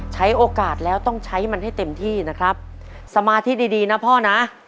ใช้โอกาสแล้วต้องใช้มันให้เต็มที่นะครับสมาธิดีดีนะพ่อนะ